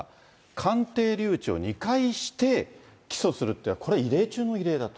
鑑定留置を２回して起訴するって、これは異例中の異例だと。